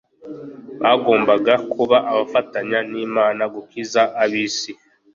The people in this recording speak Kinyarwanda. Bagombaga kuba abafatanya n'Imana gukiza ab'isi.